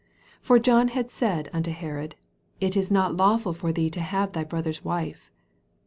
18 For John had said unto Herod, It is not lawful for thee to have thy brother's wife.